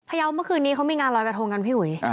ยาวเมื่อคืนนี้เขามีงานรอยกระทงกันพี่อุ๋ย